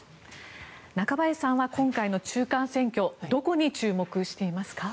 中林さんは今回の中間選挙どこに注目していますか。